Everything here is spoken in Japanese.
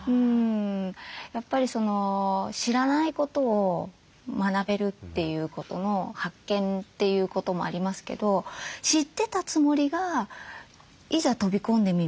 やっぱり知らないことを学べるということの発見ということもありますけど知ってたつもりがいざ飛び込んでみるととっても奥が深かったみたいな。